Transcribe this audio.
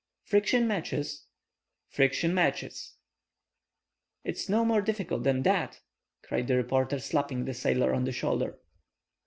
"Friction matches?" "Friction matches!" "It's no more difficult than that," cried the reporter, slapping the sailor on the shoulder.